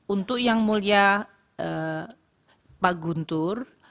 untuk yang mulia pak guntur